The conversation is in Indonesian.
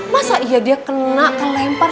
masa iya dia kena kelempar